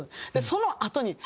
そのあとに。